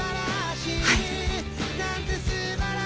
はい。